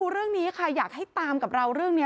เรื่องนี้ค่ะอยากให้ตามกับเราเรื่องนี้